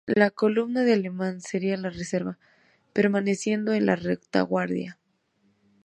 La Columna de Alemán sería la reserva, permaneciendo en la retaguardia.